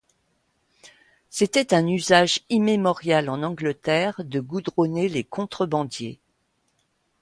C’était un usage immémorial en Angleterre de goudronner les contrebandiers.